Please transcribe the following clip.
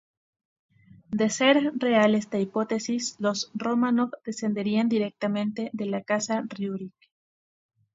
De ser real esta hipótesis, los Románov descenderían directamente de la casta Riúrik.